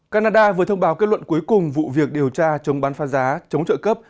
canada vừa thông báo kết luận cuối cùng vụ việc điều tra chống bán pha giá chống trợ cấp